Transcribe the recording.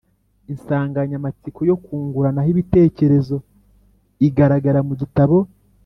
insanganyamatsiko yo kunguranaho ibitekerezo igaragara mu gitabo